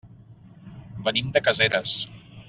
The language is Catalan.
Venim de Caseres.